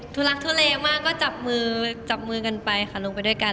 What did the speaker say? ทุลักทุเลมากก็จับมือจับมือกันไปค่ะลงไปด้วยกัน